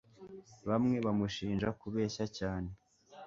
bamwe bamushinja kubeshya cyane